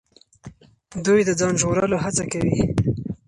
دوی د ځان ژغورلو هڅه کوي.